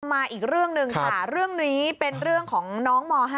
มาอีกเรื่องหนึ่งค่ะเรื่องนี้เป็นเรื่องของน้องม๕